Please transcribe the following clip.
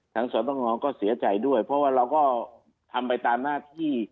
สตงก็เสียใจด้วยเพราะว่าเราก็ทำไปตามหน้าที่